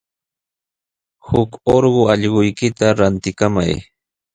Huk urqu allquykita rantikamay.